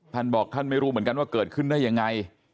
ท่านบอกท่านไม่รู้เหมือนกันว่าเกิดขึ้นได้ยังไง